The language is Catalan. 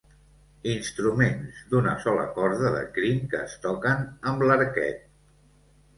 Instruments d'una sola corda de crin que es toquen amb l'arquet.